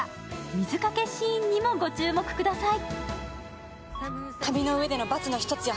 水かけシーンにもご注目ください。